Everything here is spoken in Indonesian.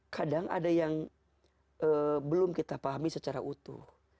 kadang ada yang belum kita pahami secara utuh